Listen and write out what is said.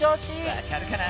わかるかな？